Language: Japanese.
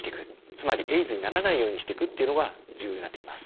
つまりＡＩＤＳにならないようにしてくっていうのが重要になってきます。